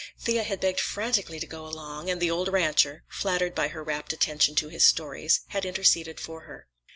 Thea had begged frantically to go along, and the old rancher, flattered by her rapt attention to his stories, had interceded for her.